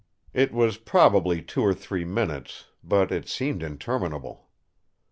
It was probably two or three minutes; but it seemed interminable.